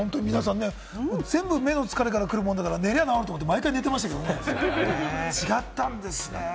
全部目の疲れからくるもんだから、寝りゃあ治ると思って寝てましたけれども、違ったんですね。